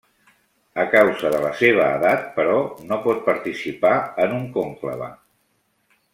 A causa de la seva edat, però, no pot participar en un conclave.